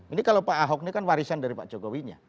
ini kalau pak ahok ini kan warisan dari pak jokowinya